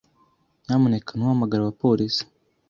Nyamuneka ntuhamagare abapolisi.